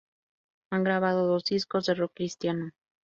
Han grabado dos discos de rock cristiano.